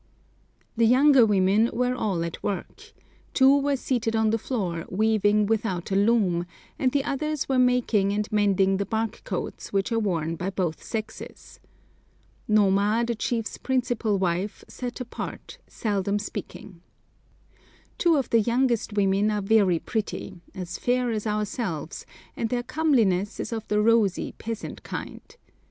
The younger women were all at work; two were seated on the floor weaving without a loom, and the others were making and mending the bark coats which are worn by both sexes. Noma, the chief's principal wife, sat apart, seldom speaking. Two of the youngest women are very pretty—as fair as ourselves, and their comeliness is of the rosy, peasant kind.